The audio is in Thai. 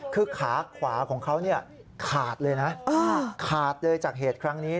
คือขาขวาของเขาขาดเลยนะขาดเลยจากเหตุครั้งนี้